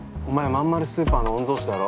まんまるスーパーの御曹司だろ？